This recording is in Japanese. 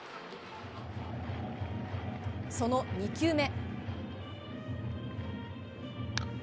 その２球目。